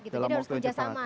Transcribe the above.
jadi harus kerjasama